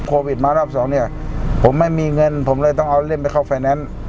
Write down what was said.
โควิดมารอบสองเนี่ยผมไม่มีเงินผมเลยต้องเอาเล่มไปเข้าไฟแนนซ์